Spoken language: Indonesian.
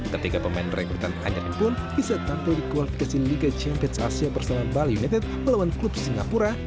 ketiga pemain rekrutan anyar ini pun bisa tampil di kualifikasi liga champions asia bersama bali united melawan klub singapura